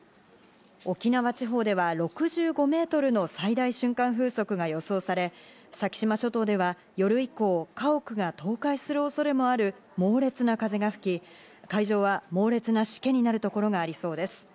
沖縄地方では６５メートルの最大瞬間風速が予想され、先島諸島では夜以降、家屋が倒壊する恐れもある猛烈な風が吹き、海上は猛烈なしけになるところもありそうです。